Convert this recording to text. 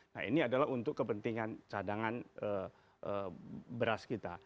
nah ini adalah untuk kepentingan cadangan beras kita